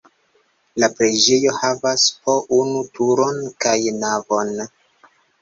La preĝejo havas po unu turon kaj navon.